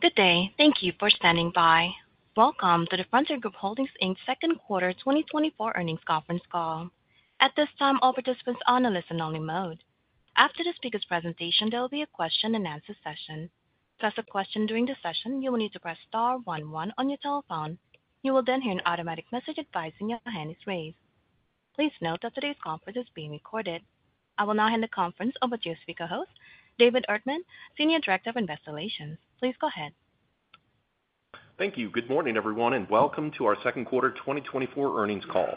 Good day. Thank you for standing by. Welcome to the Frontier Group Holdings Inc.'s second quarter 2024 earnings conference call. At this time, all participants are on a listen-only mode. After the speaker's presentation, there will be a question-and-answer session. To ask a question during the session, you will need to press star one one on your telephone. You will then hear an automatic message advising your hand is raised. Please note that today's conference is being recorded. I will now hand the conference over to your speaker host, David Erdman, Senior Director of Investor Relations. Please go ahead. Thank you. Good morning, everyone, and welcome to our second quarter 2024 earnings call.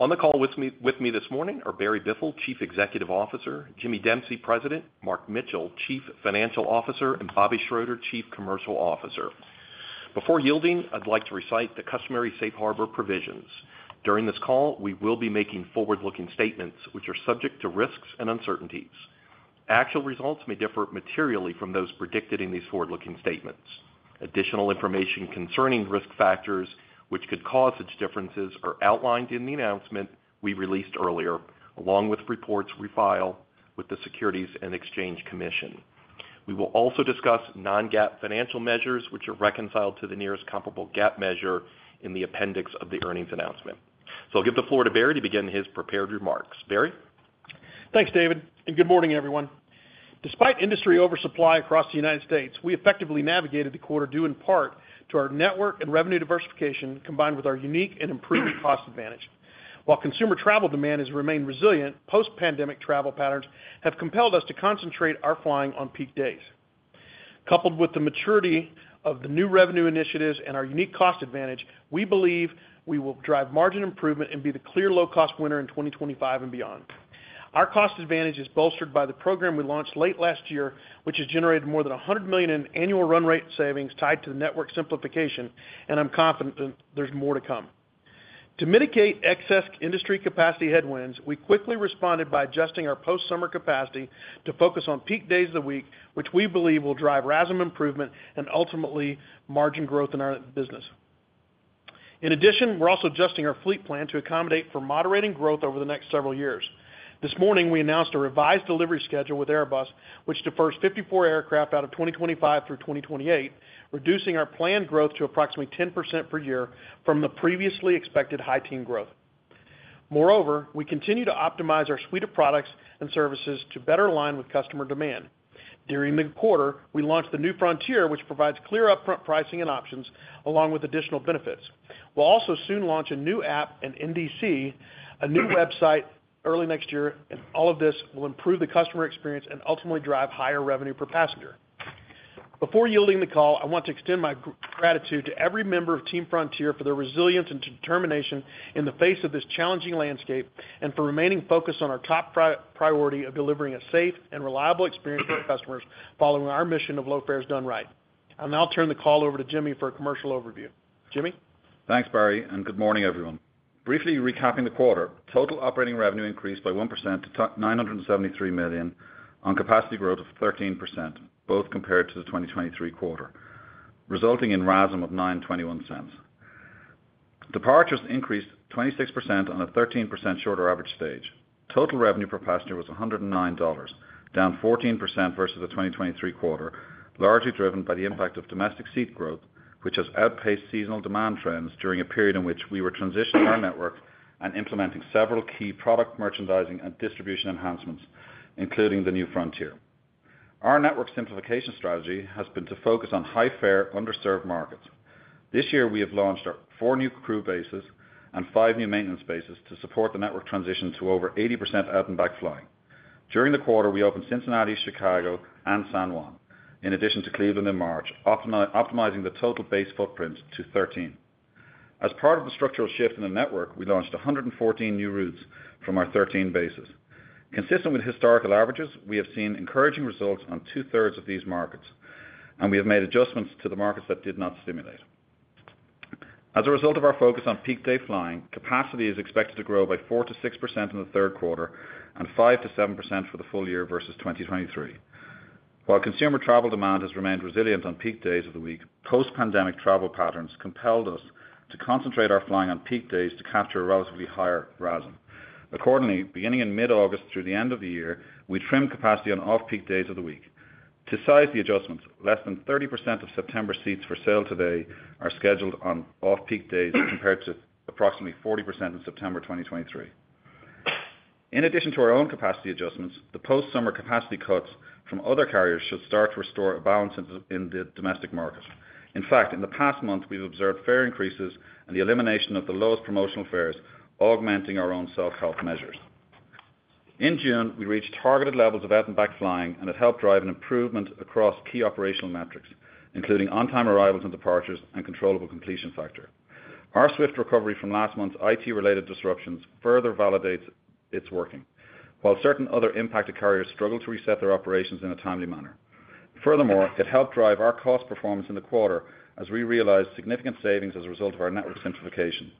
On the call with me this morning are Barry Biffle, Chief Executive Officer; Jimmy Dempsey, President; Mark Mitchell, Chief Financial Officer; and Bobby Schroeder, Chief Commercial Officer. Before yielding, I'd like to recite the customary safe harbor provisions. During this call, we will be making forward-looking statements which are subject to risks and uncertainties. Actual results may differ materially from those predicted in these forward-looking statements. Additional information concerning risk factors, which could cause such differences, are outlined in the announcement we released earlier, along with reports we file with the Securities and Exchange Commission. We will also discuss non-GAAP financial measures, which are reconciled to the nearest comparable GAAP measure in the appendix of the earnings announcement. So I'll give the floor to Barry to begin his prepared remarks. Barry? Thanks, David, and good morning, everyone. Despite industry oversupply across the United States, we effectively navigated the quarter due in part to our network and revenue diversification, combined with our unique and improved cost advantage. While consumer travel demand has remained resilient, post-pandemic travel patterns have compelled us to concentrate our flying on peak days. Coupled with the maturity of the new revenue initiatives and our unique cost advantage, we believe we will drive margin improvement and be the clear low-cost winner in 2025 and beyond. Our cost advantage is bolstered by the program we launched late last year, which has generated more than $100 million in annual run rate savings tied to the network simplification, and I'm confident that there's more to come. To mitigate excess industry capacity headwinds, we quickly responded by adjusting our post-summer capacity to focus on peak days of the week, which we believe will drive RASM improvement and ultimately margin growth in our business. In addition, we're also adjusting our fleet plan to accommodate for moderating growth over the next several years. This morning, we announced a revised delivery schedule with Airbus, which defers 54 aircraft out of 2025 through 2028, reducing our planned growth to approximately 10% per year from the previously expected high-teens growth. Moreover, we continue to optimize our suite of products and services to better align with customer demand. During mid-quarter, we launched The New Frontier, which provides clear upfront pricing and options, along with additional benefits. We'll also soon launch a new app and NDC, a new website early next year, and all of this will improve the customer experience and ultimately drive higher revenue per passenger. Before yielding the call, I want to extend my gratitude to every member of Team Frontier for their resilience and determination in the face of this challenging landscape, and for remaining focused on our top priority of delivering a safe and reliable experience for our customers following our mission of low fares done right. I'll now turn the call over to Jimmy for a commercial overview. Jimmy? Thanks, Barry, and good morning, everyone. Briefly recapping the quarter, total operating revenue increased by 1% to $973 million on capacity growth of 13%, both compared to the 2023 quarter, resulting in RASM of 9.21 cents. Departures increased 26% on a 13% shorter average stage. Total revenue per passenger was $109, down 14% versus the 2023 quarter, largely driven by the impact of domestic seat growth, which has outpaced seasonal demand trends during a period in which we were transitioning our network and implementing several key product merchandising and distribution enhancements, including The New Frontier. Our network simplification strategy has been to focus on high-fare, underserved markets. This year, we have launched our 4 new crew bases and 5 new maintenance bases to support the network transition to over 80% out-and-back flying. During the quarter, we opened Cincinnati, Chicago, and San Juan, in addition to Cleveland in March, optimizing the total base footprint to 13. As part of the structural shift in the network, we launched 114 new routes from our 13 bases. Consistent with historical averages, we have seen encouraging results on two-thirds of these markets, and we have made adjustments to the markets that did not stimulate. As a result of our focus on peak day flying, capacity is expected to grow by 4%-6% in the third quarter and 5%-7% for the full year versus 2023. While consumer travel demand has remained resilient on peak days of the week, post-pandemic travel patterns compelled us to concentrate our flying on peak days to capture a relatively higher RASM. Accordingly, beginning in mid-August through the end of the year, we trimmed capacity on off-peak days of the week. To size the adjustments, less than 30% of September seats for sale today are scheduled on off-peak days compared to approximately 40% in September 2023. In addition to our own capacity adjustments, the post-summer capacity cuts from other carriers should start to restore a balance in the domestic market. In fact, in the past month, we've observed fare increases and the elimination of the lowest promotional fares, augmenting our own self-help measures. In June, we reached targeted levels of out-and-back flying, and it helped drive an improvement across key operational metrics, including on-time arrivals and departures and controllable completion factor. Our swift recovery from last month's IT-related disruptions further validates it's working, while certain other impacted carriers struggled to reset their operations in a timely manner. Furthermore, it helped drive our cost performance in the quarter as we realized significant savings as a result of our network simplification.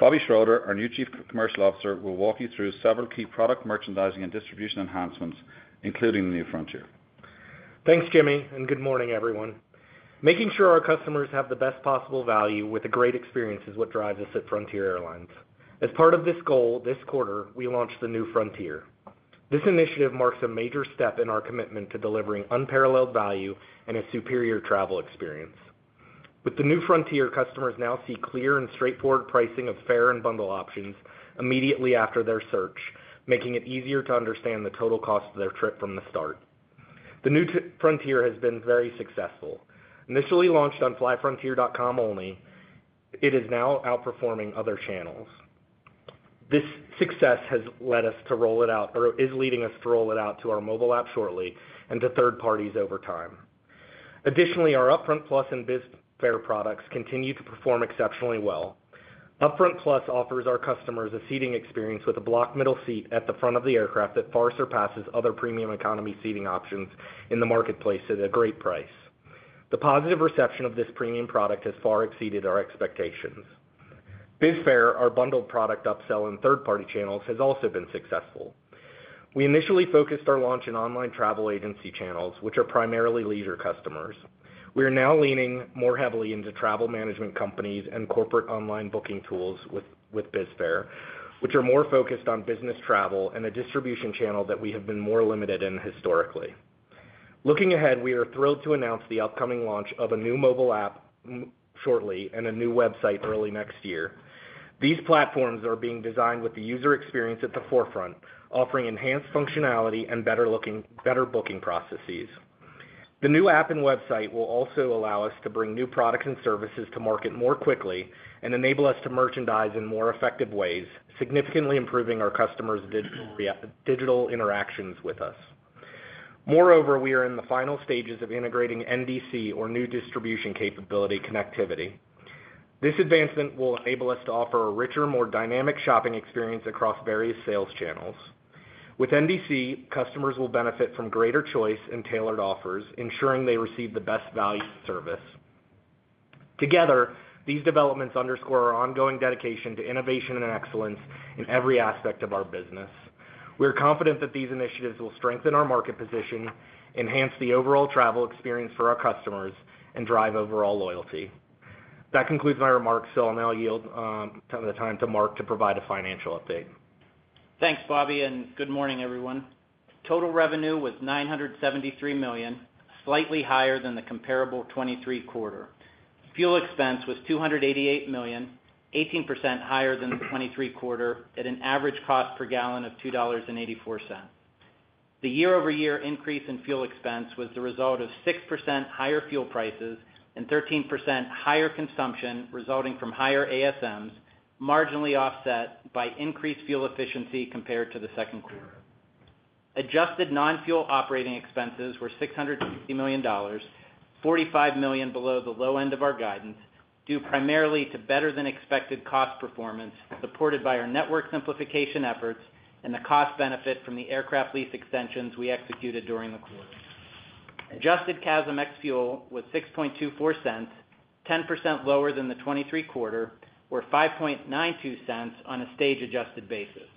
Bobby Schroeder, our new Chief Commercial Officer, will walk you through several key product merchandising and distribution enhancements, including the New Frontier. Thanks, Jimmy, and good morning, everyone. Making sure our customers have the best possible value with a great experience is what drives us at Frontier Airlines. As part of this goal, this quarter, we launched the New Frontier.... This initiative marks a major step in our commitment to delivering unparalleled value and a superior travel experience. With The New Frontier, customers now see clear and straightforward pricing of fare and bundle options immediately after their search, making it easier to understand the total cost of their trip from the start. The New Frontier has been very successful. Initially launched on FlyFrontier.com only, it is now outperforming other channels. This success has led us to roll it out, or is leading us to roll it out to our mobile app shortly and to third parties over time. Additionally, our UpFront Plus and BizFare products continue to perform exceptionally well. UpFront Plus offers our customers a seating experience with a blocked middle seat at the front of the aircraft that far surpasses other premium economy seating options in the marketplace at a great price. The positive reception of this premium product has far exceeded our expectations. BizFare, our bundled product upsell and third-party channels, has also been successful. We initially focused our launch in online travel agency channels, which are primarily leisure customers. We are now leaning more heavily into travel management companies and corporate online booking tools with BizFare, which are more focused on business travel and a distribution channel that we have been more limited in historically. Looking ahead, we are thrilled to announce the upcoming launch of a new mobile app shortly and a new website early next year. These platforms are being designed with the user experience at the forefront, offering enhanced functionality and better booking processes. The new app and website will also allow us to bring new products and services to market more quickly and enable us to merchandise in more effective ways, significantly improving our customers' digital interactions with us. Moreover, we are in the final stages of integrating NDC, or New Distribution Capability, connectivity. This advancement will enable us to offer a richer, more dynamic shopping experience across various sales channels. With NDC, customers will benefit from greater choice and tailored offers, ensuring they receive the best value service. Together, these developments underscore our ongoing dedication to innovation and excellence in every aspect of our business. We are confident that these initiatives will strengthen our market position, enhance the overall travel experience for our customers, and drive overall loyalty. That concludes my remarks, so I'll now yield some of the time to Mark to provide a financial update. Thanks, Bobby, and good morning, everyone. Total revenue was $973 million, slightly higher than the comparable 2023 quarter. Fuel expense was $288 million, 18% higher than the 2023 quarter, at an average cost per gallon of $2.84. The year-over-year increase in fuel expense was the result of 6% higher fuel prices and 13% higher consumption resulting from higher ASMs, marginally offset by increased fuel efficiency compared to the second quarter. Adjusted non-fuel operating expenses were $650 million, $45 million below the low end of our guidance, due primarily to better-than-expected cost performance, supported by our network simplification efforts and the cost benefit from the aircraft lease extensions we executed during the quarter. Adjusted CASM ex-fuel was 6.24 cents, 10% lower than the 2023 quarter, or 5.92 cents on a stage-adjusted basis,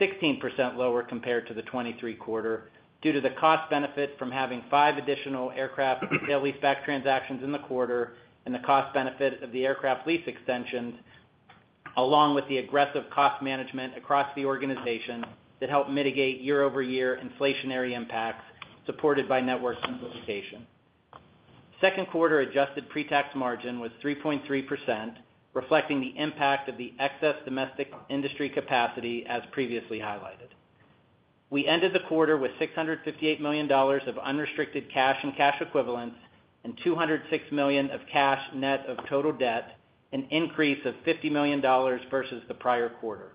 16% lower compared to the 2023 quarter, due to the cost benefit from having 5 additional aircraft sale-leaseback transactions in the quarter and the cost benefit of the aircraft lease extensions, along with the aggressive cost management across the organization that helped mitigate year-over-year inflationary impacts, supported by network simplification. Second quarter adjusted pre-tax margin was 3.3%, reflecting the impact of the excess domestic industry capacity, as previously highlighted. We ended the quarter with $658 million of unrestricted cash and cash equivalents, and $206 million of cash, net of total debt, an increase of $50 million versus the prior quarter.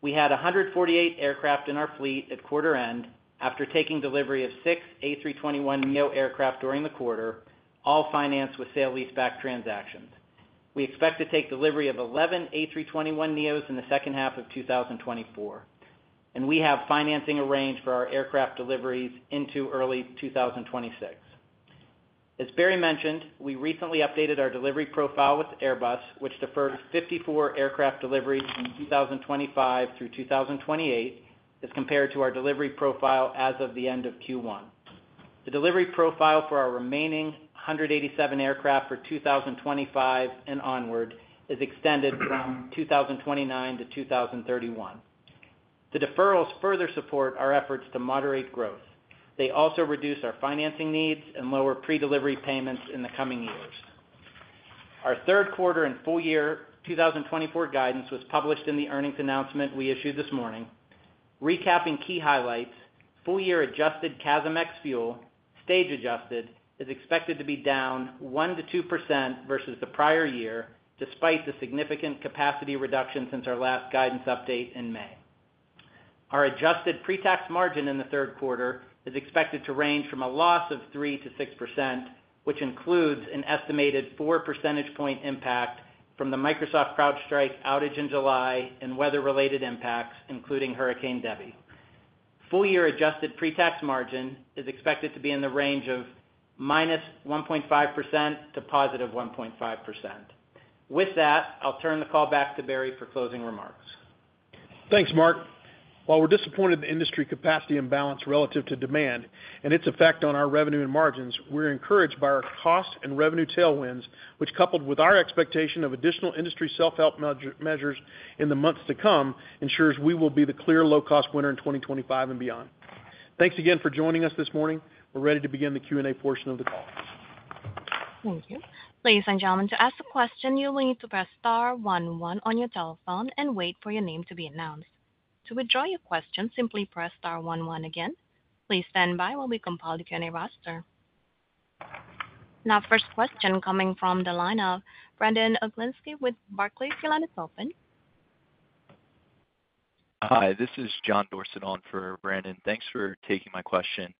We had 148 aircraft in our fleet at quarter end, after taking delivery of six A321neo aircraft during the quarter, all financed with sale-leaseback transactions. We expect to take delivery of 11 A321neos in the second half of 2024, and we have financing arranged for our aircraft deliveries into early 2026. As Barry mentioned, we recently updated our delivery profile with Airbus, which defers 54 aircraft deliveries from 2025 through 2028, as compared to our delivery profile as of the end of Q1. The delivery profile for our remaining 187 aircraft for 2025 and onward is extended from 2029-2031. The deferrals further support our efforts to moderate growth. They also reduce our financing needs and lower pre-delivery payments in the coming years. Our third quarter and full year 2024 guidance was published in the earnings announcement we issued this morning. Recapping key highlights, full-year adjusted CASM ex-fuel, stage adjusted, is expected to be down 1%-2% versus the prior year, despite the significant capacity reduction since our last guidance update in May. Our adjusted pre-tax margin in the third quarter is expected to range from a loss of 3%-6%, which includes an estimated four percentage point impact from the Microsoft CrowdStrike outage in July and weather-related impacts, including Hurricane Debby. Full-year adjusted pre-tax margin is expected to be in the range of -1.5%-1.5%. With that, I'll turn the call back to Barry for closing remarks. Thanks, Mark. While we're disappointed in the industry capacity imbalance relative to demand and its effect on our revenue and margins, we're encouraged by our cost and revenue tailwinds, which, coupled with our expectation of additional industry self-help measures in the months to come, ensures we will be the clear low-cost winner in 2025 and beyond. Thanks again for joining us this morning. We're ready to begin the Q&A portion of the call. Thank you. Ladies and gentlemen, to ask a question, you will need to press star one, one on your telephone and wait for your name to be announced. To withdraw your question, simply press star one one again. Please stand by while we compile the Q&A roster. Now, first question coming from the line of Brandon Oglenski. Your line is open. Hi, this is John Dorsett on for Brandon. Thanks for taking my question.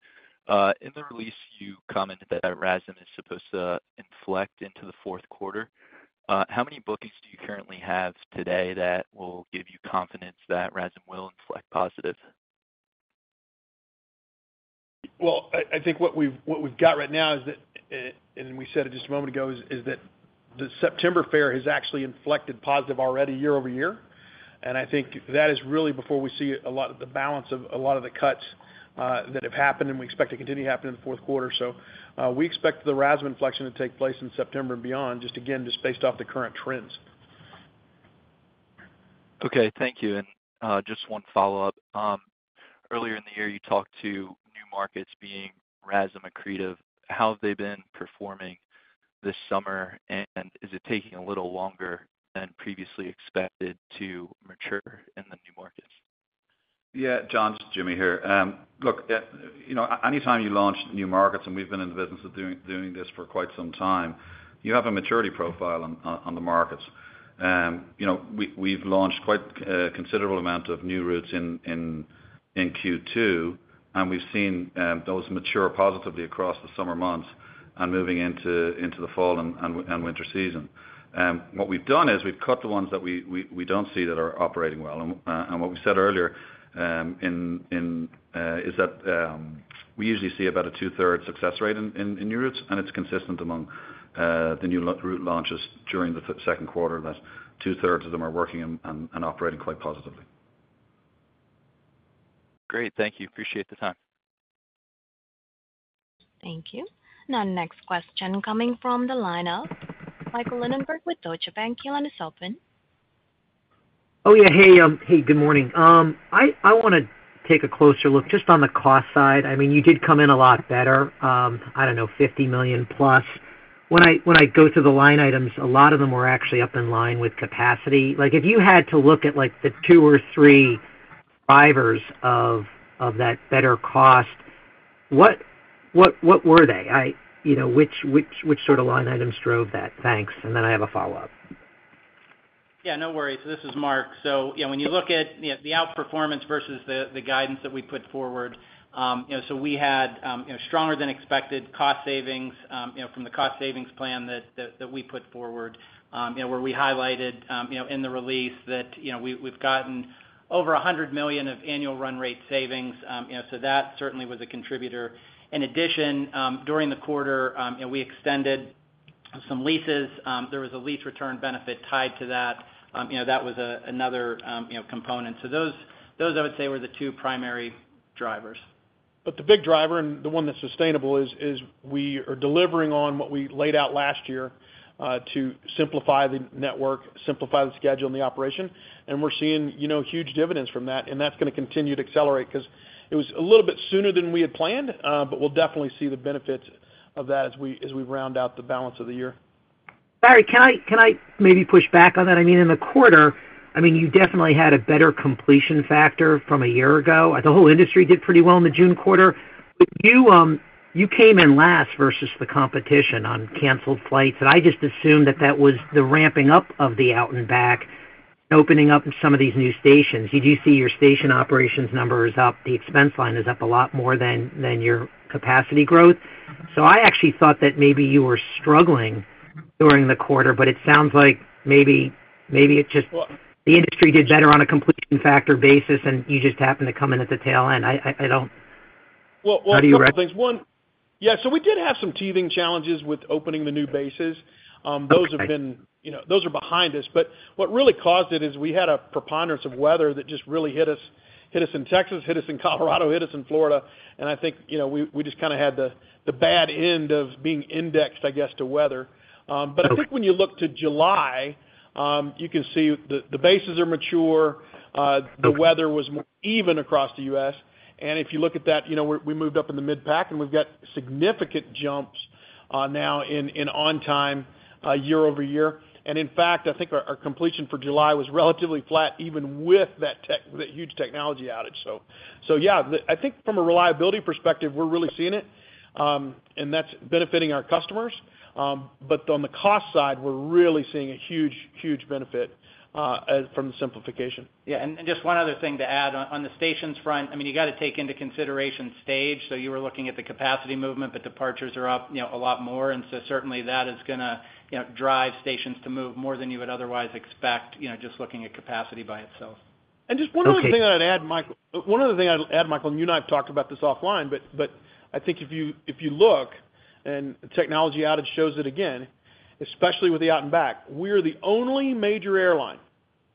In the release, you commented that RASM is supposed to inflect into the fourth quarter. How many bookings do you currently have today that will give you confidence that RASM will inflect positive? Well, I think what we've got right now is that, and we said it just a moment ago, is that the September fare has actually inflected positive already year-over-year. And I think that is really before we see a lot of the balance of a lot of the cuts that have happened, and we expect to continue to happen in the fourth quarter. So, we expect the RASM inflection to take place in September and beyond, just based off the current trends. Okay, thank you. And, just one follow-up. Earlier in the year, you talked to new markets being RASM accretive. How have they been performing this summer, and is it taking a little longer than previously expected to mature in the new markets? Yeah, John, it's Jimmy here. Look, you know, anytime you launch new markets, and we've been in the business of doing this for quite some time, you have a maturity profile on the markets. You know, we've launched quite a considerable amount of new routes in Q2, and we've seen those mature positively across the summer months and moving into the fall and winter season. What we've done is we've cut the ones that we don't see that are operating well. What we said earlier is that we usually see about a two-thirds success rate in new routes, and it's consistent among the new route launches during the second quarter, that two-thirds of them are working and operating quite positively. Great. Thank you. Appreciate the time. Thank you. Now, next question coming from the line of Michael Linenberg with Deutsche Bank. Your line is open. Oh, yeah. Hey, hey, good morning. I wanna take a closer look just on the cost side. I mean, you did come in a lot better, I don't know, $50 million plus. When I go through the line items, a lot of them were actually up in line with capacity. Like, if you had to look at, like, the two or three drivers of that better cost, what were they? You know, which sort of line items drove that? Thanks, and then I have a follow-up. Yeah, no worries. This is Mark. So, you know, when you look at the outperformance versus the guidance that we put forward, you know, so we had stronger than expected cost savings, you know, from the cost savings plan that we put forward, you know, where we highlighted, you know, in the release that, you know, we've gotten over $100 million of annual run rate savings. You know, so that certainly was a contributor. In addition, during the quarter, and we extended some leases, there was a lease return benefit tied to that. You know, that was another component. So those I would say were the two primary drivers. But the big driver, and the one that's sustainable, is we are delivering on what we laid out last year to simplify the network, simplify the schedule and the operation, and we're seeing, you know, huge dividends from that, and that's gonna continue to accelerate. 'Cause it was a little bit sooner than we had planned, but we'll definitely see the benefits of that as we round out the balance of the year. Barry, can I, can I maybe push back on that? I mean, in the quarter, I mean, you definitely had a better completion factor from a year ago. The whole industry did pretty well in the June quarter, but you, you came in last versus the competition on canceled flights, and I just assumed that that was the ramping up of the out and back, opening up some of these new stations. You do see your station operations numbers up. The expense line is up a lot more than your capacity growth. So I actually thought that maybe you were struggling during the quarter, but it sounds like maybe, maybe it just- Well- The industry did better on a completion factor basis, and you just happened to come in at the tail end. I don't... Well, well, How do you rec- A couple things. One, yeah, so we did have some teething challenges with opening the new bases. Okay. Those have been, you know, those are behind us. But what really caused it is we had a preponderance of weather that just really hit us, hit us in Texas, hit us in Colorado, hit us in Florida, and I think, you know, we just kind of had the bad end of being indexed, I guess, to weather. Okay. But I think when you look to July, you can see the bases are mature. Okay.... The weather was more even across the U.S., and if you look at that, you know, we moved up in the mid pack, and we've got significant jumps now in on-time year-over-year. In fact, I think our completion for July was relatively flat, even with that huge technology outage. So yeah, I think from a reliability perspective, we're really seeing it, and that's benefiting our customers. But on the cost side, we're really seeing a huge, huge benefit from the simplification. Yeah, and just one other thing to add on the stations front. I mean, you got to take into consideration stage, so you were looking at the capacity movement, but departures are up, you know, a lot more, and so certainly that is gonna, you know, drive stations to move more than you would otherwise expect, you know, just looking at capacity by itself. Okay. Just one other thing that I'd add, Michael. One other thing I'd add, Michael, and you and I have talked about this offline, but I think if you look, and the technology outage shows it again, especially with the out and back, we are the only major airline,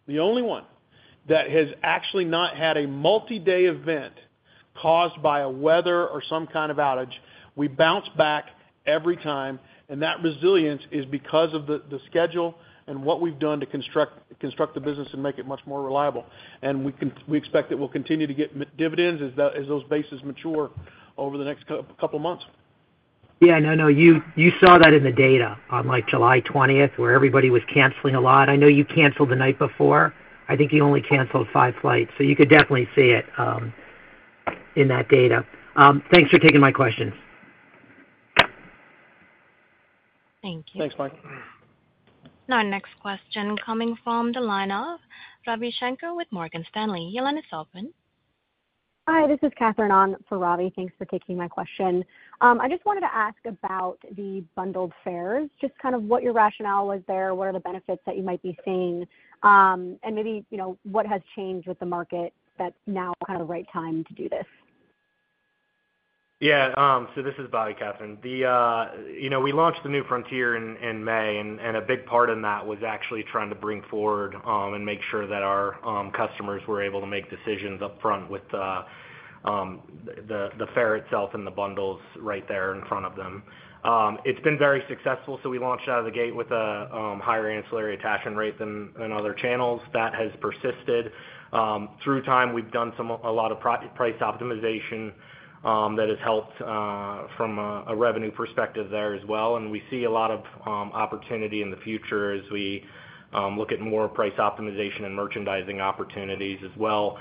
the only one, that has actually not had a multi-day event caused by a weather or some kind of outage. We bounce back every time, and that resilience is because of the schedule and what we've done to construct the business and make it much more reliable. And we expect that we'll continue to get dividends as those bases mature over the next couple of months.... Yeah, no, no, you, you saw that in the data on, like, July twentieth, where everybody was canceling a lot. I know you canceled the night before. I think you only canceled five flights, so you could definitely see it in that data. Thanks for taking my questions. Thank you. Thanks, Mike. Now, our next question coming from the line of Ravi Shanker with Morgan Stanley. Your line is open. Hi, this is Catherine on for Ravi. Thanks for taking my question. I just wanted to ask about the bundled fares, just kind of what your rationale was there, what are the benefits that you might be seeing, and maybe, you know, what has changed with the market that now kind of right time to do this? Yeah, so this is Bobby, Catherine. The, you know, we launched the New Frontier in May, and a big part in that was actually trying to bring forward, and make sure that our customers were able to make decisions upfront with the fare itself and the bundles right there in front of them. It's been very successful, so we launched out of the gate with a higher ancillary attach and rate than other channels. That has persisted. Through time, we've done a lot of price optimization, that has helped from a revenue perspective there as well. And we see a lot of opportunity in the future as we look at more price optimization and merchandising opportunities as well.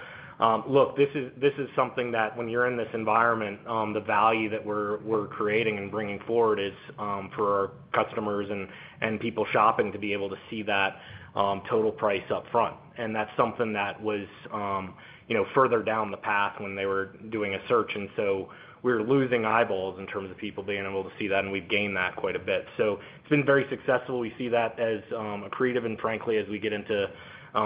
Look, this is, this is something that when you're in this environment, the value that we're, we're creating and bringing forward is for our customers and people shopping to be able to see that total price up front. And that's something that was, you know, further down the path when they were doing a search, and so we were losing eyeballs in terms of people being able to see that, and we've gained that quite a bit. So it's been very successful. We see that as accretive, and frankly, as we get into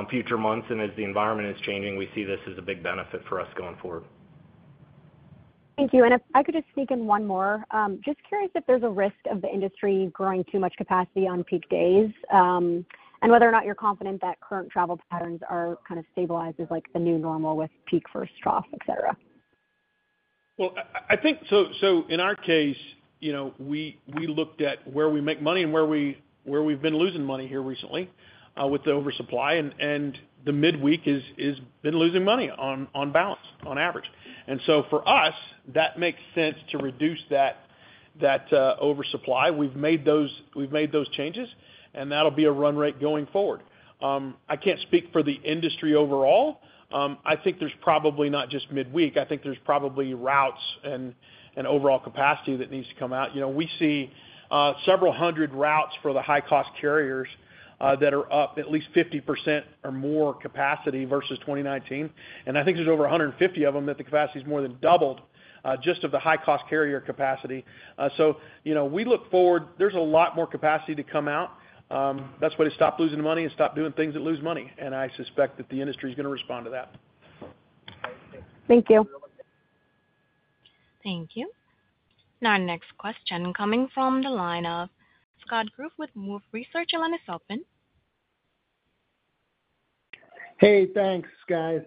future months and as the environment is changing, we see this as a big benefit for us going forward. Thank you. If I could just sneak in one more. Just curious if there's a risk of the industry growing too much capacity on peak days, and whether or not you're confident that current travel patterns are kind of stabilized as, like, the new normal with peak first trough, et cetera? Well, I think so, so in our case, you know, we looked at where we make money and where we've been losing money here recently with the oversupply, and the midweek has been losing money on balance, on average. So for us, that makes sense to reduce that oversupply. We've made those changes, and that'll be a run rate going forward. I can't speak for the industry overall. I think there's probably not just midweek, I think there's probably routes and overall capacity that needs to come out. You know, we see several hundred routes for the high-cost carriers that are up at least 50% or more capacity versus 2019. I think there's over 150 of them that the capacity has more than doubled, just of the high-cost carrier capacity. So, you know, we look forward, there's a lot more capacity to come out. That's the way to stop losing money and stop doing things that lose money, and I suspect that the industry is gonna respond to that. Thank you. Thank you. Now, our next question coming from the line of Scott Group with Wolfe Research. Your line is open. Hey, thanks, guys.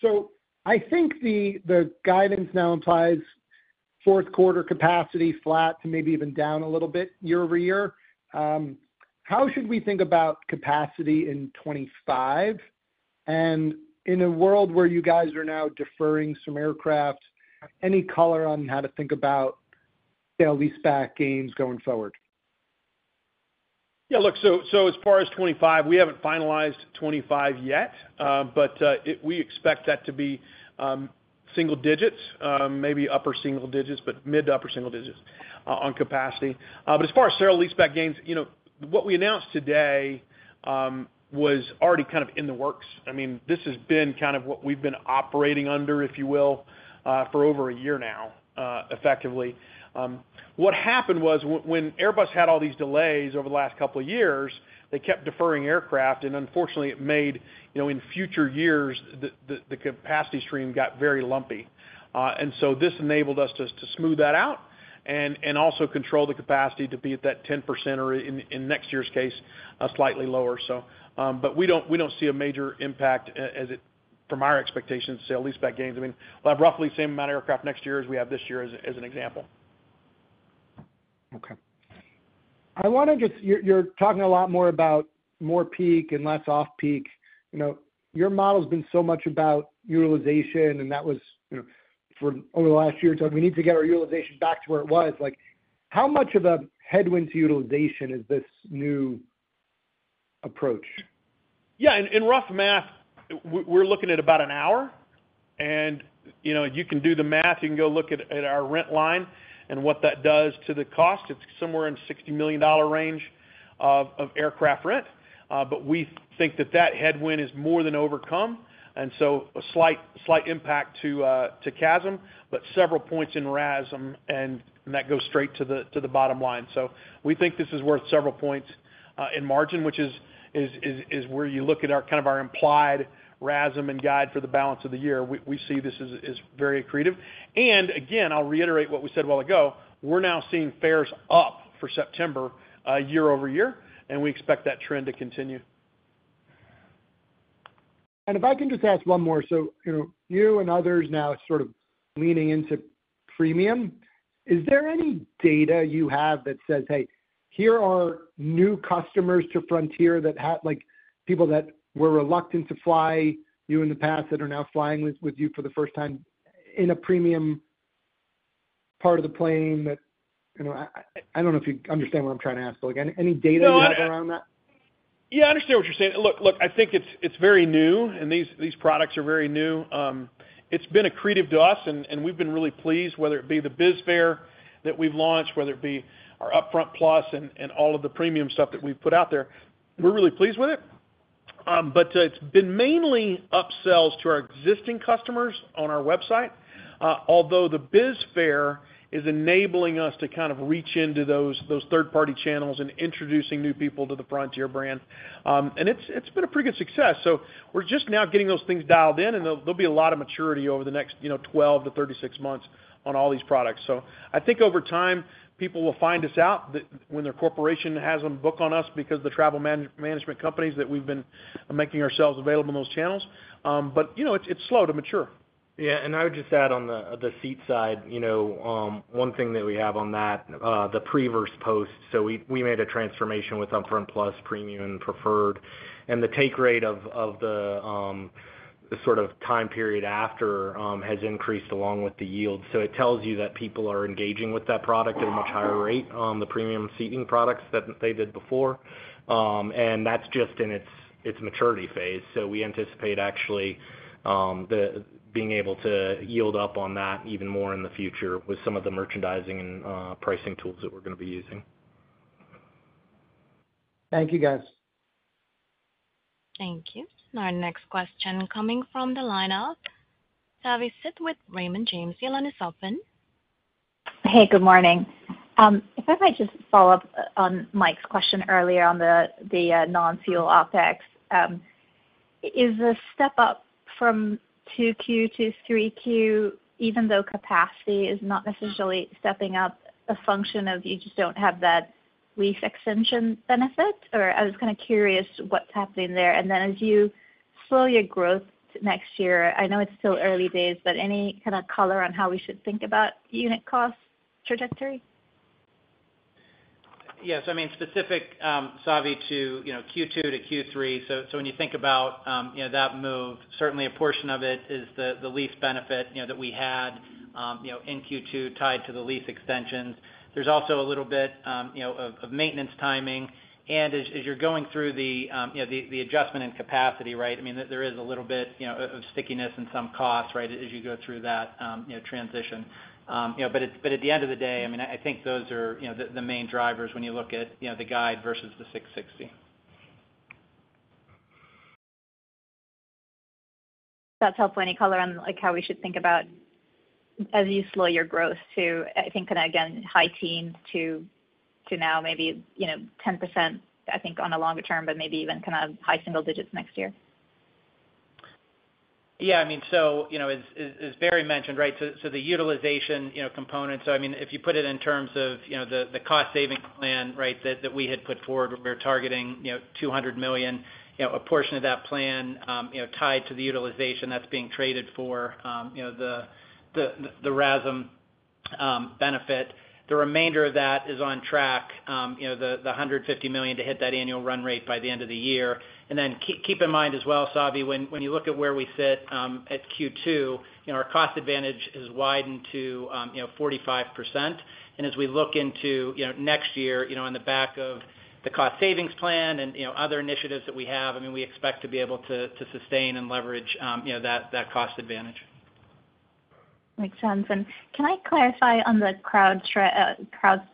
So I think the guidance now implies fourth quarter capacity flat to maybe even down a little bit year-over-year. How should we think about capacity in 2025? And in a world where you guys are now deferring some aircraft, any color on how to think about sale-leaseback gains going forward? Yeah, look, so as far as 2025, we haven't finalized 2025 yet, but we expect that to be single digits, maybe upper single digits, but mid to upper single digits on capacity. But as far as sale-leaseback gains, you know, what we announced today was already kind of in the works. I mean, this has been kind of what we've been operating under, if you will, for over a year now, effectively. What happened was when Airbus had all these delays over the last couple of years, they kept deferring aircraft, and unfortunately, it made, you know, in future years, the capacity stream got very lumpy. And so this enabled us to smooth that out and also control the capacity to be at that 10% or, in next year's case, a slightly lower. So, but we don't see a major impact as it from our expectations, sale-leaseback gains. I mean, we'll have roughly the same amount of aircraft next year as we have this year as an example. Okay. I wanna just... You're talking a lot more about peak and less off-peak. You know, your model's been so much about utilization, and that was, you know, for over the last year, so we need to get our utilization back to where it was. Like, how much of a headwind to utilization is this new approach? Yeah. In rough math, we're looking at about an hour, and, you know, you can do the math. You can go look at our rent line and what that does to the cost. It's somewhere in the $60 million range of aircraft rent. But we think that that headwind is more than overcome, and so a slight impact to CASM, but several points in RASM, and that goes straight to the bottom line. So we think this is worth several points in margin, which is where you look at our kind of our implied RASM and guide for the balance of the year. We see this as very accretive. And again, I'll reiterate what we said a while ago, we're now seeing fares up for September, year-over-year, and we expect that trend to continue. If I can just ask one more. You know, you and others now sort of leaning into premium, is there any data you have that says, "Hey-... here are new customers to Frontier that have, like, people that were reluctant to fly you in the past that are now flying with, with you for the first time in a premium part of the plane that, you know, I, I, I don't know if you understand what I'm trying to ask, but again, any data you have around that? Yeah, I understand what you're saying. Look, I think it's very new, and these products are very new. It's been accretive to us, and we've been really pleased, whether it be the BizFare that we've launched, whether it be our UpFront Plus and all of the premium stuff that we've put out there. We're really pleased with it. But it's been mainly upsells to our existing customers on our website, although the BizFare is enabling us to kind of reach into those third-party channels and introducing new people to the Frontier brand. And it's been a pretty good success. So we're just now getting those things dialed in, and there'll be a lot of maturity over the next, you know, 12-36 months on all these products. I think over time, people will find us out that when their corporation has them book on us because the travel management companies that we've been making ourselves available in those channels, but, you know, it's, it's slow to mature. Yeah, and I would just add on the seat side, you know, one thing that we have on that, the pre versus post. So we made a transformation with UpFront Plus Premium and Preferred, and the take rate of the sort of time period after has increased along with the yield. So it tells you that people are engaging with that product at a much higher rate on the premium seating products than they did before. And that's just in its maturity phase. So we anticipate actually being able to yield up on that even more in the future with some of the merchandising and pricing tools that we're gonna be using. Thank you, guys. Thank you. Our next question coming from the line of Savi Syth with Raymond James. Your line is open. Hey, good morning. If I might just follow up on Mike's question earlier on the non-fuel OpEx. Is the step up from 2Q to 3Q, even though capacity is not necessarily stepping up, a function of you just don't have that lease extension benefit? Or I was kind of curious what's happening there. And then as you slow your growth next year, I know it's still early days, but any kind of color on how we should think about unit cost trajectory? Yes. I mean, specific, Savi, to, you know, Q2 to Q3, so when you think about, you know, that move, certainly a portion of it is the lease benefit, you know, that we had, you know, in Q2 tied to the lease extensions. There's also a little bit, you know, of maintenance timing. And as you're going through the, you know, the adjustment in capacity, right? I mean, there is a little bit, you know, of stickiness and some costs, right, as you go through that, you know, transition. You know, but at the end of the day, I mean, I think those are, you know, the main drivers when you look at, you know, the guide versus the 660. That's helpful. Any color on, like, how we should think about as you slow your growth to, I think, kind of, again, high teens% to, to now maybe, you know, 10%, I think, on the longer term, but maybe even kind of high single digits% next year? Yeah, I mean, so, you know, as Barry mentioned, right? So, the utilization, you know, component, so I mean, if you put it in terms of, you know, the cost saving plan, right? That we had put forward, we're targeting, you know, $200 million, you know, a portion of that plan, tied to the utilization that's being traded for, you know, the RASM benefit. The remainder of that is on track, you know, the $150 million to hit that annual run rate by the end of the year. And then keep in mind as well, Savi, when you look at where we sit, at Q2, you know, our cost advantage has widened to, you know, 45%. As we look into next year, you know, on the back of the cost savings plan and, you know, other initiatives that we have, I mean, we expect to be able to sustain and leverage, you know, that cost advantage. Makes sense. And can I clarify on the CrowdStrike,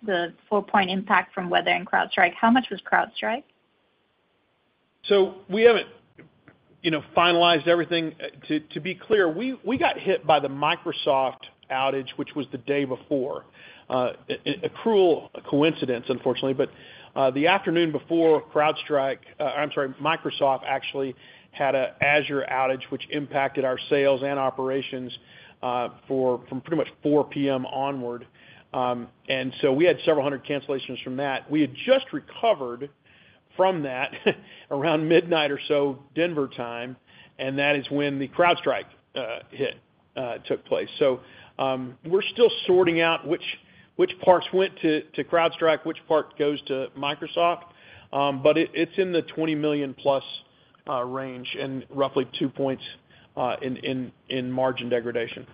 the four-point impact from weather and CrowdStrike? How much was CrowdStrike? So we haven't, you know, finalized everything. To be clear, we got hit by the Microsoft outage, which was the day before. A cruel coincidence, unfortunately, but the afternoon before CrowdStrike. I'm sorry, Microsoft actually had a Azure outage, which impacted our sales and operations from pretty much 4:00 P.M. onward. And so we had several hundred cancellations from that. We had just recovered from that around midnight or so, Denver time, and that is when the CrowdStrike hit took place. We're still sorting out which parts went to CrowdStrike, which part goes to Microsoft, but it's in the $20 million+ range and roughly 2 points in margin degradation.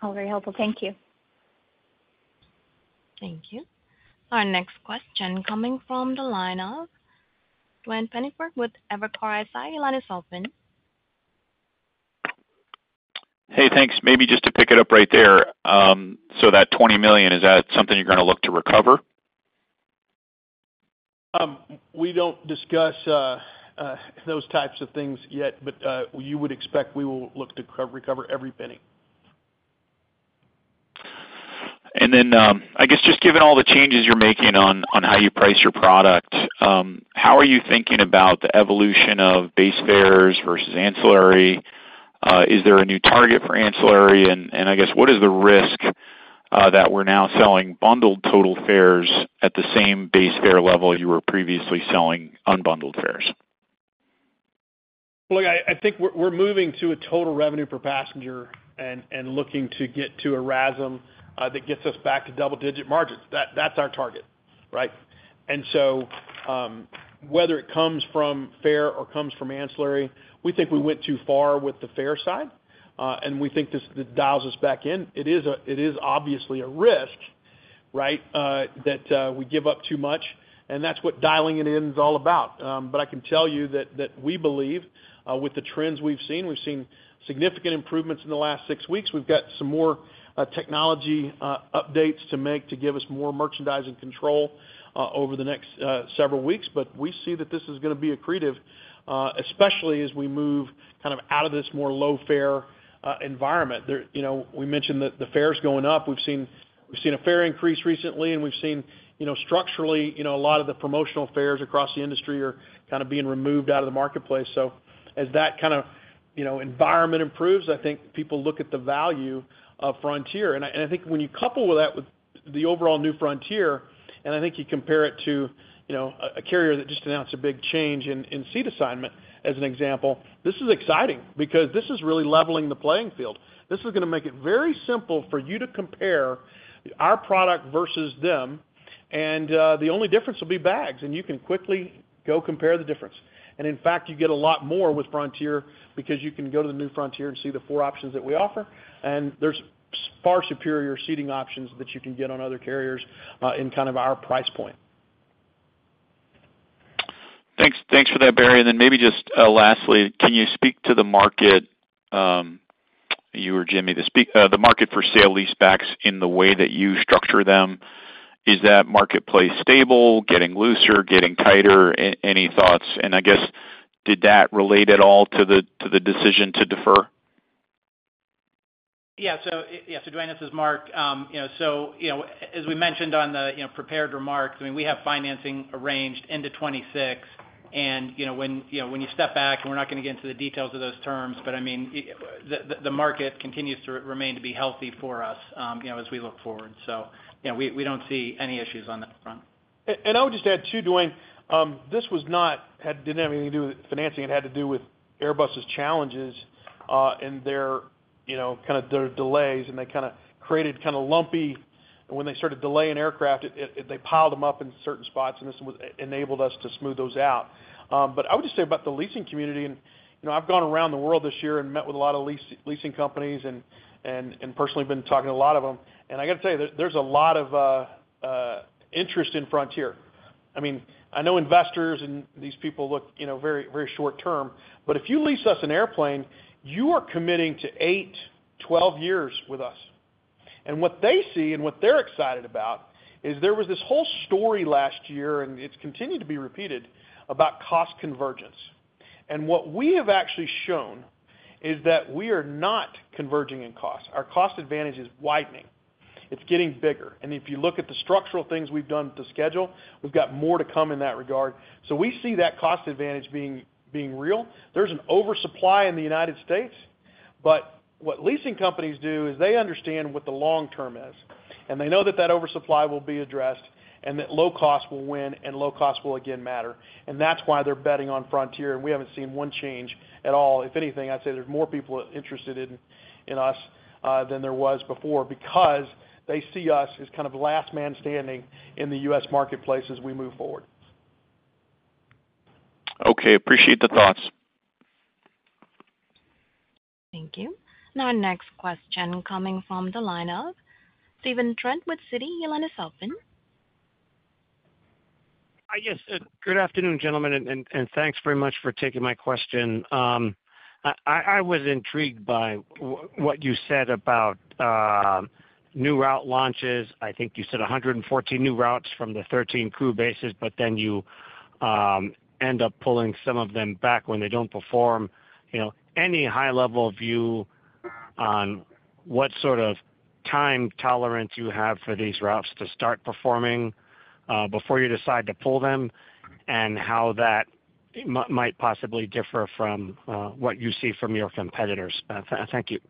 All very helpful. Thank you. Thank you. Our next question coming from the line of Duane Pfennigwerth with Evercore ISI. Your line is open. Hey, thanks. Maybe just to pick it up right there. So that $20 million, is that something you're gonna look to recover? We don't discuss those types of things yet, but you would expect we will look to recover every penny. And then, I guess just given all the changes you're making on, on how you price your product, how are you thinking about the evolution of base fares versus ancillary? Is there a new target for ancillary? And, I guess, what is the risk that we're now selling bundled total fares at the same base fare level you were previously selling unbundled fares? ... Well, I think we're moving to a total revenue per passenger and looking to get to a RASM that gets us back to double-digit margins. That's our target, right? And so, whether it comes from fare or comes from ancillary, we think we went too far with the fare side and we think this dials us back in. It is obviously a risk, right, that we give up too much, and that's what dialing it in is all about. But I can tell you that we believe with the trends we've seen, we've seen significant improvements in the last six weeks. We've got some more technology updates to make to give us more merchandising control over the next several weeks. But we see that this is gonna be accretive, especially as we move kind of out of this more low-fare environment. There, you know, we mentioned that the fares going up. We've seen, we've seen a fare increase recently, and we've seen, you know, structurally, you know, a lot of the promotional fares across the industry are kind of being removed out of the marketplace. So as that kind of, you know, environment improves, I think people look at the value of Frontier. And I, and I think when you couple with that, with the overall New Frontier, and I think you compare it to, you know, a, a carrier that just announced a big change in, in seat assignment, as an example, this is exciting because this is really leveling the playing field. This is gonna make it very simple for you to compare our product versus them, and the only difference will be bags, and you can quickly go compare the difference. And in fact, you get a lot more with Frontier because you can go to the New Frontier and see the four options that we offer, and there's far superior seating options that you can get on other carriers, in kind of our price point. Thanks, thanks for that, Barry. And then maybe just, lastly, can you speak to the market, you or Jimmy, the market for sale-leasebacks in the way that you structure them? Is that marketplace stable, getting looser, getting tighter? Any thoughts? And I guess, did that relate at all to the decision to defer? Yeah, so, yeah, so Duane, this is Mark. You know, so, you know, as we mentioned on the, you know, prepared remarks, I mean, we have financing arranged into 2026. And, you know, when, you know, when you step back, and we're not gonna get into the details of those terms, but I mean, the market continues to remain to be healthy for us, you know, as we look forward. So, you know, we, we don't see any issues on that front. And I would just add, too, Duane, this was not, didn't have anything to do with financing. It had to do with Airbus's challenges, and their, you know, kind of their delays, and they kind of created kind of lumpy. And when they started delaying aircraft, they piled them up in certain spots, and this enabled us to smooth those out. But I would just say about the leasing community, and, you know, I've gone around the world this year and met with a lot of leasing companies and personally been talking to a lot of them, and I gotta tell you, there's a lot of interest in Frontier. I mean, I know investors and these people look, you know, very, very short term, but if you lease us an airplane, you are committing to 8, 12 years with us. And what they see and what they're excited about is there was this whole story last year, and it's continued to be repeated, about cost convergence. And what we have actually shown is that we are not converging in cost. Our cost advantage is widening. It's getting bigger. And if you look at the structural things we've done with the schedule, we've got more to come in that regard. So we see that cost advantage being, being real. There's an oversupply in the United States, but what leasing companies do is they understand what the long term is, and they know that that oversupply will be addressed, and that low cost will win, and low cost will again matter. That's why they're betting on Frontier, and we haven't seen one change at all. If anything, I'd say there's more people interested in us than there was before, because they see us as kind of last man standing in the U.S. marketplace as we move forward. Okay. Appreciate the thoughts. Thank you. Our next question coming from the line of Stephen Trent with Citi. Your line is open. Yes, good afternoon, gentlemen, and thanks very much for taking my question. I was intrigued by what you said about new route launches. I think you said 114 new routes from the 13 crew bases, but then you end up pulling some of them back when they don't perform. You know, any high-level view on what sort of time tolerance you have for these routes to start performing before you decide to pull them, and how that might possibly differ from what you see from your competitors? Thank you.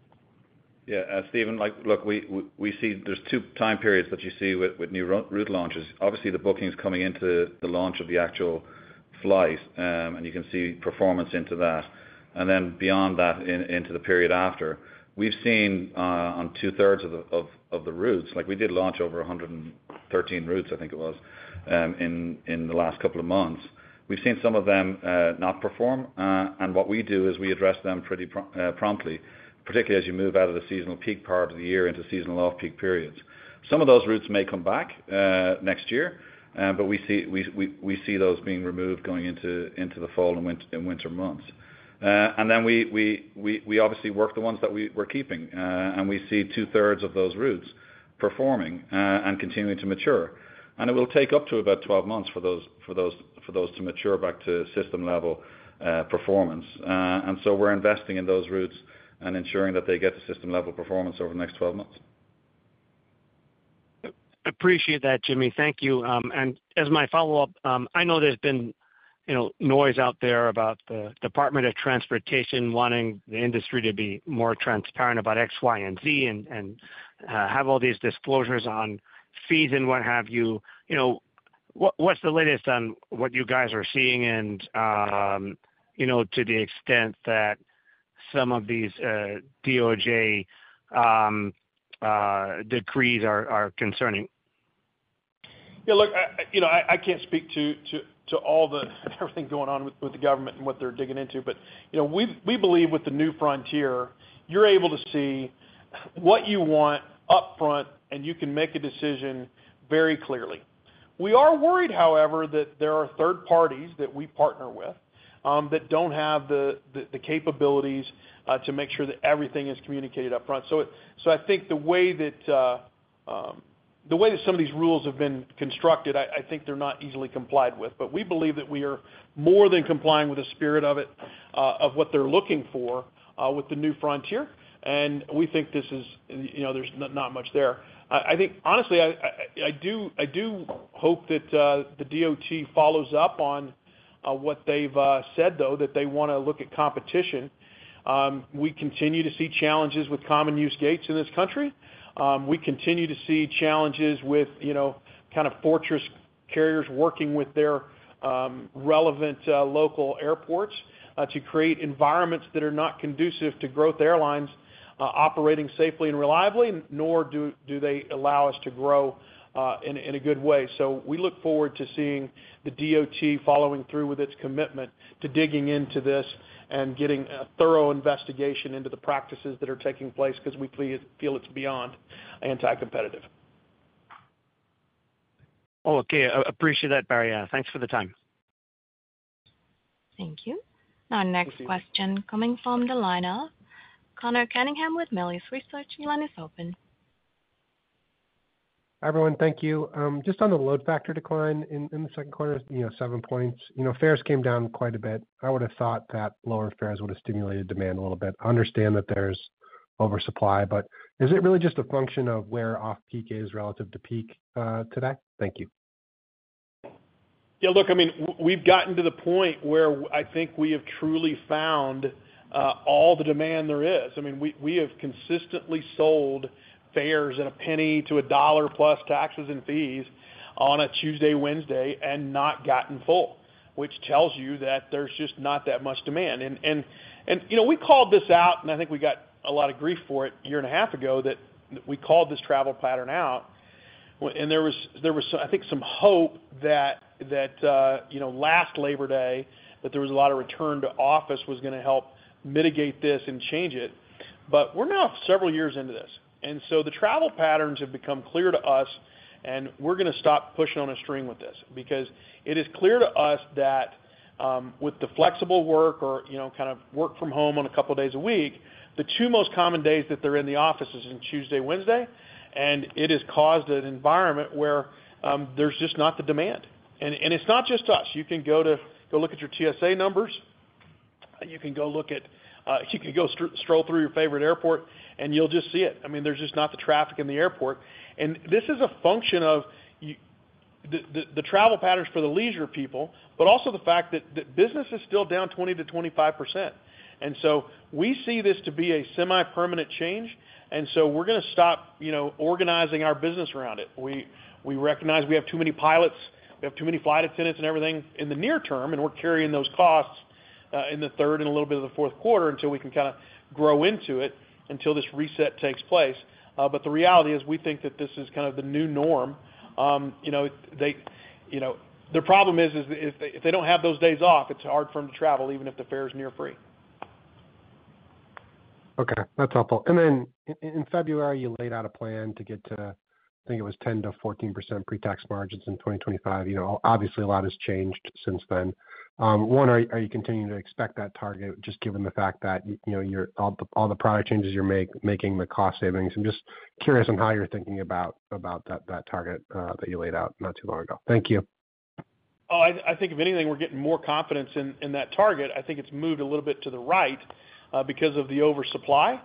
Yeah, Steven, like, look, we see there's two time periods that you see with new route launches. Obviously, the bookings coming into the launch of the actual flight, and you can see performance into that, and then beyond that, into the period after. We've seen on two-thirds of the routes, like we did launch over 113 routes, I think it was, in the last couple of months. We've seen some of them not perform, and what we do is we address them pretty promptly, particularly as you move out of the seasonal peak part of the year into seasonal off-peak periods. Some of those routes may come back next year, but we see those being removed going into the fall and winter months. And then we obviously work the ones that we're keeping, and we see two-thirds of those routes performing and continuing to mature. And it will take up to about 12 months for those to mature back to system-level performance. And so we're investing in those routes and ensuring that they get to system-level performance over the next 12 months. Appreciate that, Jimmy. Thank you. And as my follow-up, I know there's been, you know, noise out there about the Department of Transportation wanting the industry to be more transparent about X, Y, and Z, and have all these disclosures on fees and what have you. You know. What, what's the latest on what you guys are seeing, and, you know, to the extent that some of these DOJ decrees are concerning? Yeah, look, I can't speak to all the everything going on with the government and what they're digging into. But, you know, we believe with The New Frontier, you're able to see what you want upfront, and you can make a decision very clearly. We are worried, however, that there are third parties that we partner with that don't have the capabilities to make sure that everything is communicated upfront. So I think the way that some of these rules have been constructed, I think they're not easily complied with. But we believe that we are more than complying with the spirit of it of what they're looking for with The New Frontier, and we think this is, you know, there's not much there. I think, honestly, I do hope that the DOT follows up on what they've said though, that they wanna look at competition. We continue to see challenges with common use gates in this country. We continue to see challenges with, you know, kind of fortress carriers working with their relevant local airports to create environments that are not conducive to growth airlines operating safely and reliably, nor do they allow us to grow in a good way. So we look forward to seeing the DOT following through with its commitment to digging into this and getting a thorough investigation into the practices that are taking place, 'cause we feel it's beyond anti-competitive. Oh, okay. Appreciate that, Barry. Thanks for the time. Thank you. Our next question coming from the line of Conor Cunningham with Melius Research. Your line is open. Hi, everyone. Thank you. Just on the load factor decline in the second quarter, you know, 7 points. You know, fares came down quite a bit. I would've thought that lower fares would've stimulated demand a little bit. I understand that there's oversupply, but is it really just a function of where off-peak is relative to peak today? Thank you. Yeah, look, I mean, we've gotten to the point where I think we have truly found all the demand there is. I mean, we have consistently sold fares at $0.01-$1 plus taxes and fees on a Tuesday, Wednesday, and not gotten full, which tells you that there's just not that much demand. And, you know, we called this out, and I think we got a lot of grief for it a year and a half ago, that we called this travel pattern out. And there was some, I think, some hope that, you know, last Labor Day, that there was a lot of return to office was gonna help mitigate this and change it, but we're now several years into this. And so the travel patterns have become clear to us, and we're gonna stop pushing on a string with this. Because it is clear to us that, with the flexible work or, you know, kind of work from home on a couple days a week, the two most common days that they're in the office is in Tuesday, Wednesday, and it has caused an environment where, there's just not the demand. And it's not just us. You can go look at your TSA numbers, and you can go look at. You can go stroll through your favorite airport, and you'll just see it. I mean, there's just not the traffic in the airport. And this is a function of the travel patterns for the leisure people, but also the fact that business is still down 20%-25%. So we see this to be a semi-permanent change, and so we're gonna stop, you know, organizing our business around it. We recognize we have too many pilots, we have too many flight attendants and everything in the near term, and we're carrying those costs in the third and a little bit of the fourth quarter until we can kind of grow into it, until this reset takes place. But the reality is, we think that this is kind of the new norm. You know, they, you know, the problem is if they don't have those days off, it's hard for them to travel, even if the fare is near free. Okay, that's helpful. And then in February, you laid out a plan to get to, I think it was 10%-14% pre-tax margins in 2025. You know, obviously, a lot has changed since then. One, are you continuing to expect that target, just given the fact that, you know, you're all the product changes you're making, the cost savings? I'm just curious on how you're thinking about that target that you laid out not too long ago. Thank you. Oh, I think if anything, we're getting more confidence in that target. I think it's moved a little bit to the right because of the oversupply.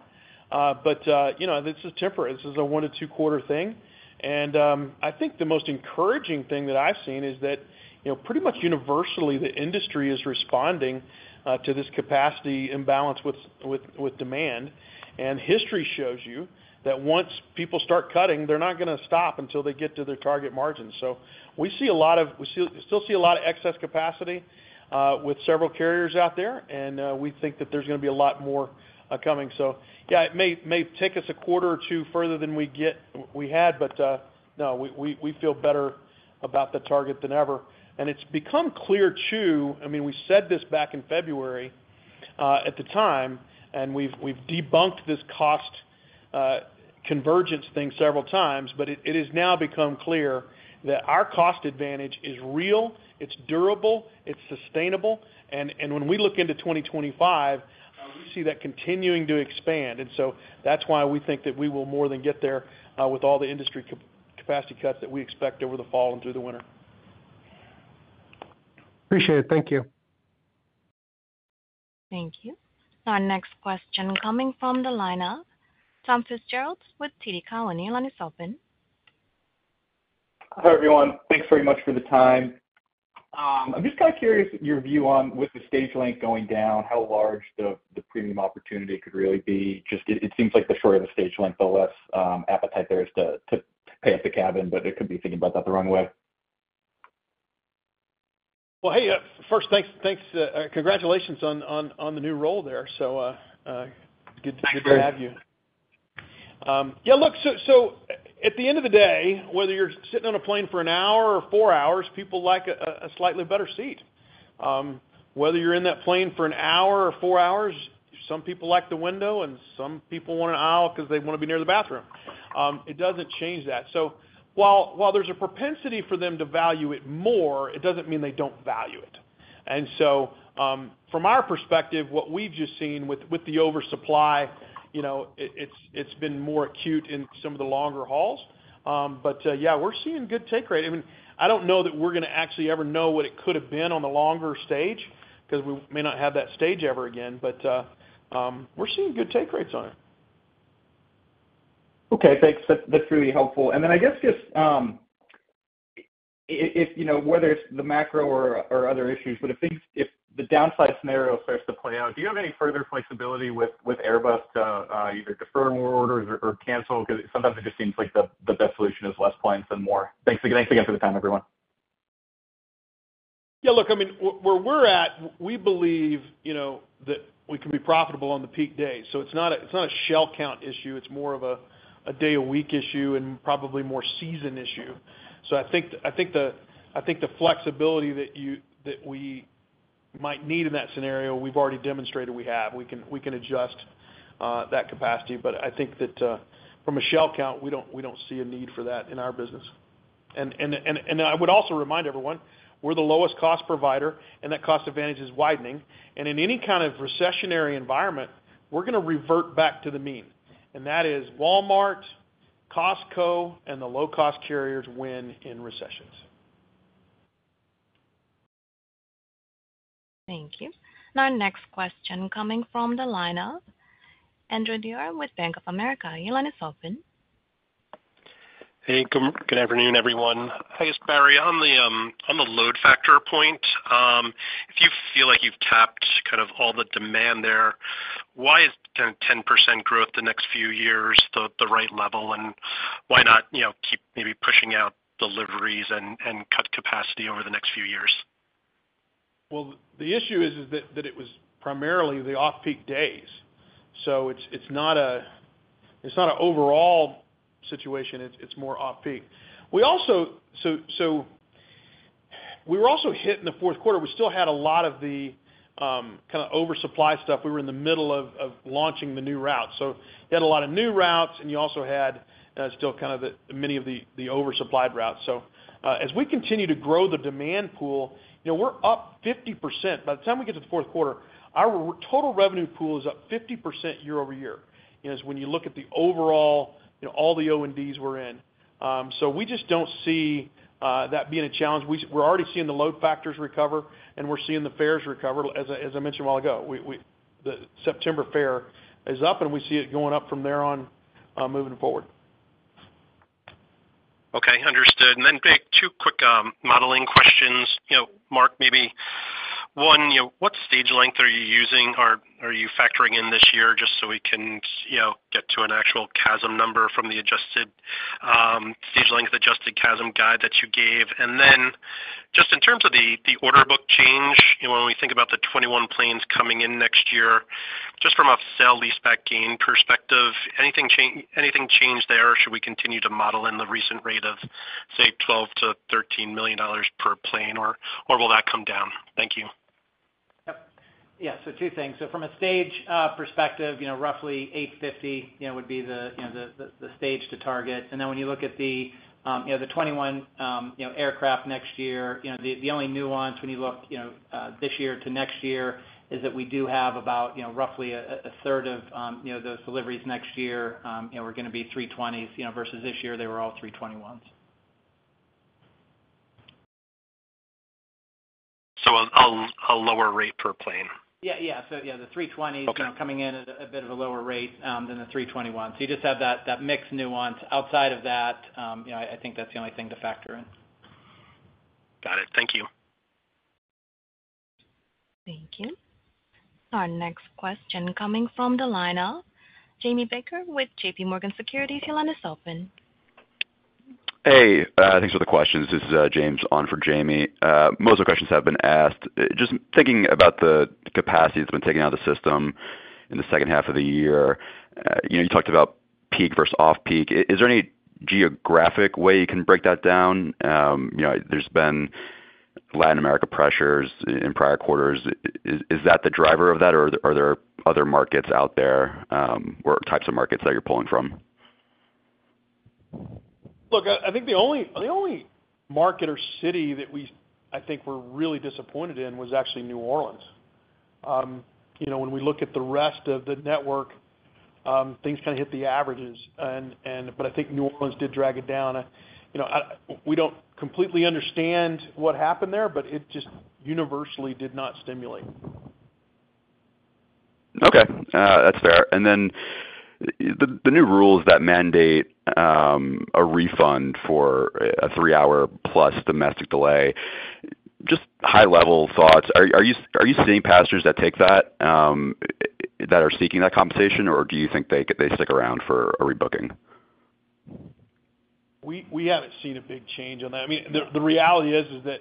But you know, this is temporary. This is a 1-2-quarter thing. And I think the most encouraging thing that I've seen is that you know, pretty much universally, the industry is responding to this capacity imbalance with demand. And history shows you that once people start cutting, they're not gonna stop until they get to their target margins. So we still see a lot of excess capacity with several carriers out there, and we think that there's gonna be a lot more coming. So yeah, it may take us a quarter or two further than we get, we had, but no, we feel better about the target than ever. And it's become clear, too. I mean, we said this back in February, at the time, and we've debunked this cost convergence thing several times, but it has now become clear that our cost advantage is real, it's durable, it's sustainable, and when we look into 2025, we see that continuing to expand. And so that's why we think that we will more than get there, with all the industry capacity cuts that we expect over the fall and through the winter. Appreciate it. Thank you. Thank you. Our next question coming from the line of Thomas Fitzgerald with TD Cowen. Your line is open. Hi, everyone. Thanks very much for the time. ... I'm just kind of curious your view on, with the stage length going down, how large the premium opportunity could really be. Just, it seems like the shorter the stage length, the less appetite there is to pay up the cabin, but I could be thinking about that the wrong way. Well, hey, first, thanks, congratulations on the new role there. So, good- Thanks. Good to have you. Yeah, look, so at the end of the day, whether you're sitting on a plane for an hour or four hours, people like a slightly better seat. Whether you're in that plane for an hour or four hours, some people like the window, and some people want an aisle because they want to be near the bathroom. It doesn't change that. So while there's a propensity for them to value it more, it doesn't mean they don't value it. And so, from our perspective, what we've just seen with the oversupply, you know, it's been more acute in some of the longer hauls. But yeah, we're seeing good take rate. I mean, I don't know that we're gonna actually ever know what it could have been on the longer stage, because we may not have that stage ever again, but we're seeing good take rates on it. Okay, thanks. That's really helpful. And then I guess just if, you know, whether it's the macro or other issues, but if the downside scenario starts to play out, do you have any further flexibility with Airbus to either defer more orders or cancel? Because sometimes it just seems like the best solution is less planes than more. Thanks again for the time, everyone. Yeah, look, I mean, where we're at, we believe, you know, that we can be profitable on the peak day. So it's not a shell count issue, it's more of a day a week issue and probably more season issue. So I think the flexibility that we might need in that scenario, we've already demonstrated we have. We can adjust that capacity, but I think that from a shell count, we don't see a need for that in our business. And I would also remind everyone, we're the lowest cost provider, and that cost advantage is widening. And in any kind of recessionary environment, we're gonna revert back to the mean, and that is Walmart, Costco, and the low-cost carriers win in recessions. Thank you. Our next question coming from the line of Andrew Didora with Bank of America. Your line is open. Hey, good, good afternoon, everyone. I guess, Barry, on the load factor point, if you feel like you've tapped kind of all the demand there, why is kind of 10% growth the next few years the right level, and why not, you know, keep maybe pushing out deliveries and cut capacity over the next few years? Well, the issue is that it was primarily the off-peak days. So it's not an overall situation. It's more off-peak. We also were hit in the fourth quarter. We still had a lot of the kind of oversupply stuff. We were in the middle of launching the new route. So you had a lot of new routes, and you also had still kind of the many of the oversupplied routes. So as we continue to grow the demand pool, you know, we're up 50%. By the time we get to the fourth quarter, our total revenue pool is up 50% year-over-year, when you look at the overall, you know, all the O&Ds we're in. So we just don't see that being a challenge. We're already seeing the load factors recover, and we're seeing the fares recover. As I mentioned a while ago, the September fare is up, and we see it going up from there on, moving forward. Okay, understood. And then but two quick modeling questions. You know, Mark, maybe one, you know, what stage length are you using or are you factoring in this year, just so we can, you know, get to an actual CASM number from the adjusted stage length adjusted CASM guide that you gave? And then, just in terms of the order book change, you know, when we think about the 21 planes coming in next year, just from a sale-leaseback gain perspective, anything changed there, or should we continue to model in the recent rate of, say, $12 million-$13 million per plane, or will that come down? Thank you. Yep. Yeah, so two things. So from a stage perspective, you know, roughly 850, you know, would be the stage to target. And then when you look at the 21 aircraft next year, you know, the only nuance when you look this year to next year is that we do have about, you know, roughly a third of those deliveries next year are gonna be 320 versus this year, they were all 321s. So a lower rate per plane? Yeah, yeah. So, yeah, the 320- Okay... you know, coming in at a bit of a lower rate than the 321. So you just have that, that mixed nuance. Outside of that, you know, I think that's the only thing to factor in. Got it. Thank you. Thank you. Our next question coming from the line of Jamie Baker with J.P. Morgan Securities. Your line is open. Hey, thanks for the questions. This is James on for Jamie. Most of the questions have been asked. Just thinking about the capacity that's been taken out of the system in the second half of the year, you know, you talked about peak versus off-peak. Is there any geographic way you can break that down? You know, there's been Latin America pressures in prior quarters. Is that the driver of that, or are there other markets out there, or types of markets that you're pulling from? Look, I think the only market or city that we're really disappointed in was actually New Orleans. You know, when we look at the rest of the network, things kind of hit the averages, but I think New Orleans did drag it down. You know, we don't completely understand what happened there, but it just universally did not stimulate. Okay, that's fair. Then the new rules that mandate a refund for a 3-hour plus domestic delay, just high-level thoughts. Are you seeing passengers that take that that are seeking that compensation, or do you think they stick around for a rebooking? We haven't seen a big change on that. I mean, the reality is that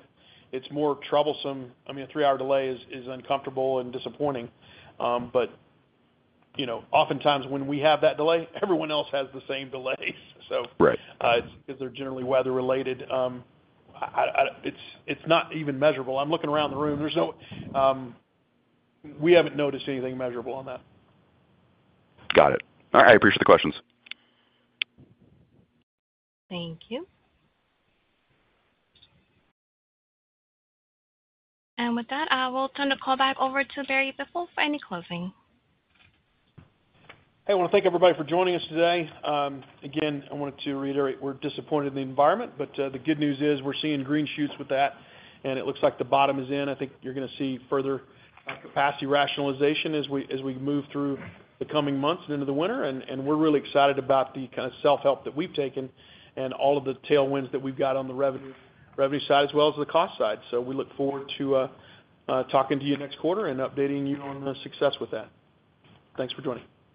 it's more troublesome. I mean, a 3-hour delay is uncomfortable and disappointing, but, you know, oftentimes when we have that delay, everyone else has the same delay. So- Right. It's, they're generally weather related. It's not even measurable. I'm looking around the room, there's no... We haven't noticed anything measurable on that. Got it. All right, I appreciate the questions. Thank you. With that, I will turn the call back over to Barry Biffle for any closing. I wanna thank everybody for joining us today. Again, I wanted to reiterate we're disappointed in the environment, but the good news is we're seeing green shoots with that, and it looks like the bottom is in. I think you're gonna see further capacity rationalization as we move through the coming months and into the winter, and we're really excited about the kind of self-help that we've taken and all of the tailwinds that we've got on the revenue side as well as the cost side. So we look forward to talking to you next quarter and updating you on the success with that. Thanks for joining.